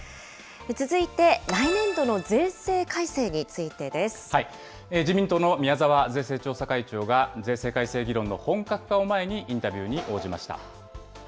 続いて、来年度の税制改正についてです。自民党の宮沢税制調査会長が、税制改正議論の本格化を前にインタビューに応じました。